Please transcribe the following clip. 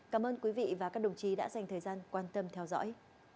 cảm ơn quý vị và các đồng chí đã dành thời gian quan tâm theo dõi